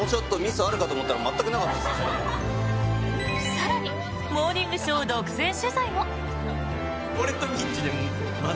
更に、「モーニングショー」独占取材も。